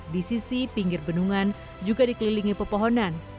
di sisi pinggir bendungan juga dikelilingi pepohonan